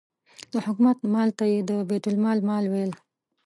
د حکومت مال ته یې د بیت المال مال ویل.